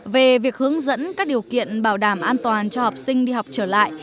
về việc hướng dẫn các điều kiện bảo đảm an toàn cho học sinh đi học trở lại